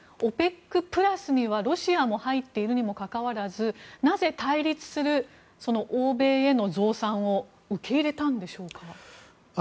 ＯＰＥＣプラスにはロシアも入っているにもかかわらずなぜ対立する欧米への増産を受け入れたんでしょうか。